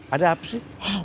ada apa sih